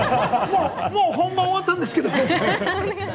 もう本番終わったんですけれども。